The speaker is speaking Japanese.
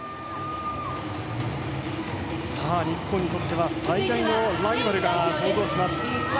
日本にとっては最大のライバルが登場します。